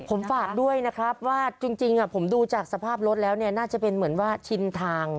ผมฝากด้วยนะครับว่าจริงผมดูจากสภาพรถแล้วเนี่ยน่าจะเป็นเหมือนว่าชินทาง